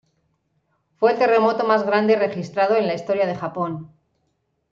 Fue el terremoto más grande registrado en la historia de Japón.